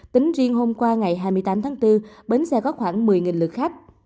tính riêng hôm qua ngày hai mươi tám tháng bốn bến xe có khoảng một mươi lượt khách